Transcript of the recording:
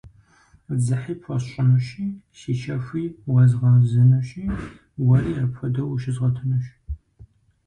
Дзыхьи пхуэсщӏынущи, си щэхуи уэзгъэзынущи, уэри апхуэдэу ущызгъэтынущ.